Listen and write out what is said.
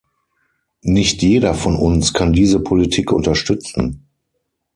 Nicht jeder von uns kann diese Politik unterstützen.